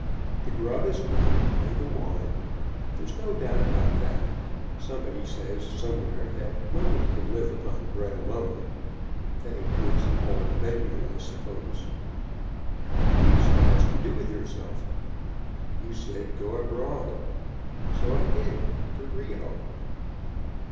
"The grub is good, and the wine. There's no doubt about that. Somebody says somewhere that nobody can live upon bread alone. That includes the whole menu, I suppose." "What do you suggest to do with yourself?" "You said, go abroad." "So I did to Rio."